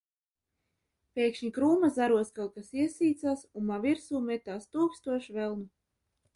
Pēkšņi krūma zaros kaut kas iesīcās un man virsū metās tūkstoš velnu.